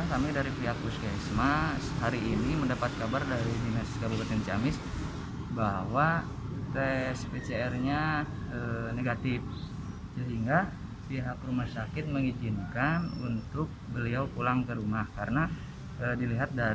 kondisinya sudah membaik